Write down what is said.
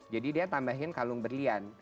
jadi dia tambahin kalung berlian